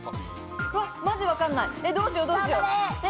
マジわかんない、どうしよう。